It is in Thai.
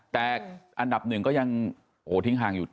แต่อันดับ๑ยังทิ้งห้างอยู่